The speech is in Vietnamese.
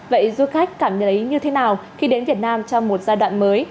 vậy du khách cảm thấy như thế nào khi đến việt nam trong một giai đoạn mới